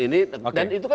dependisi kekacauan itu apa